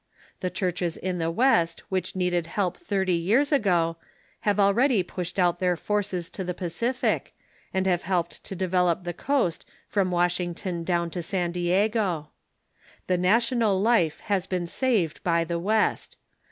The churches in the West which needed help thirty years ago have already pushed out their forces to the Pacific, and have helped to develop the coast from Washington down to San Diego. The national life has been saved by the West.